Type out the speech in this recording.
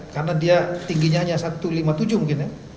karena dia tingginya hanya satu ratus lima puluh tujuh mungkin ya